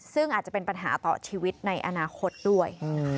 ซึ่งอาจจะเป็นปัญหาต่อชีวิตในอนาคตด้วย